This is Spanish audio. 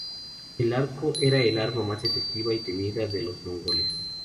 El arco era el arma más efectiva y temida de los mongoles.